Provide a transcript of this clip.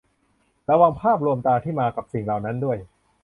ระวังภาพลวงตาที่มากับสิ่งเหล่านั้นด้วย